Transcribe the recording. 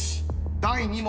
［第２問